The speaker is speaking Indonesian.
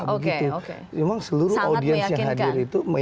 memang seluruh audiens yang hadir itu